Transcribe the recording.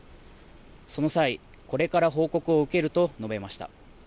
その際これから報告を受けると述べました。